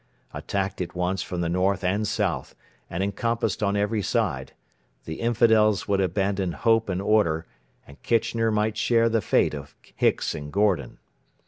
Attacked at once from the north and south, and encompassed on every side, the infidels would abandon hope and order, and Kitchener might share the fate of Hicks and Gordon.